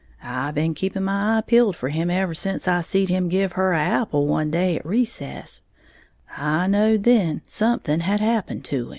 I been keeping my eye peeled for him ever sence I seed him give her a' apple one day at recess, I knowed then something had happened to him!"